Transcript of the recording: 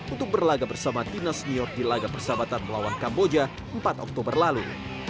untuk berlagak bersama tim nasional di lagak persahabatan melawan kamboja empat oktober lalu